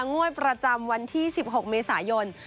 งวดประจำวันที่๑๖เมษายน